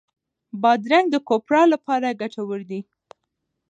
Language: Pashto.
بادرنګ د کوپرا لپاره ګټور دی.